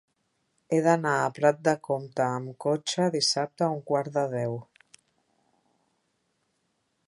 He d'anar a Prat de Comte amb cotxe dissabte a un quart de deu.